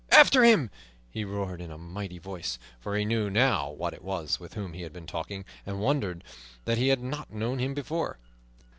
"After him!" he roared in a mighty voice; for he knew now who it was with whom he had been talking, and wondered that he had not known him before.